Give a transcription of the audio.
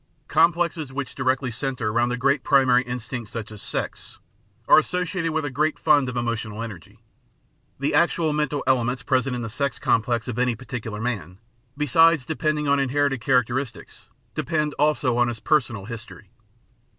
Complexes which directly centre roimd a great primary in stinct such as sex are associated with a great fund of emotional energy. The actual mental elements present in the sex complex of any particular man, besides depending on inherited characteris tics, depend also on his personal history.